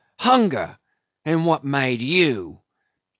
Hunger. And what made you?"